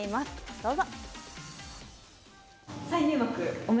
どうぞ。